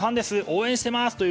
応援してます！